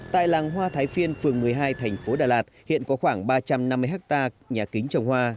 tại làng hoa thái phiên phường một mươi hai thành phố đà lạt hiện có khoảng ba trăm năm mươi hectare nhà kính trồng hoa